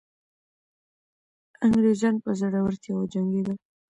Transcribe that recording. انګریزان په زړورتیا وجنګېدل.